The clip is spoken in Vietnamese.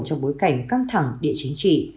trong bối cảnh căng thẳng địa chính trị